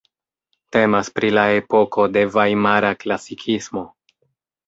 Temas pri la epoko de Vajmara klasikismo.